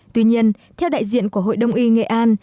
tuy nhiên theo đại diện của hội đông y nghệ an